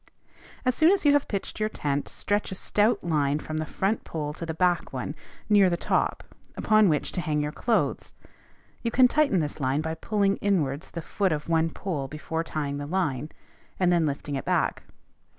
As soon as you have pitched your tent, stretch a stout line from the front pole to the back one, near the top, upon which to hang your clothes. You can tighten this line by pulling inwards the foot of one pole before tying the line, and then lifting it back.